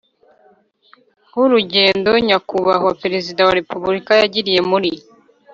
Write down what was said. nk urugendo Nyakubahwa Perezida wa Repubulika yagiriye muri